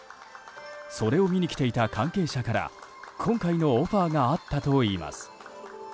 それを見に来ていた関係者から今回のオファーがあったといいます。